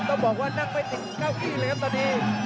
ต้องบอกว่านั่งไม่ติดเก้าอี้เลยครับตอนนี้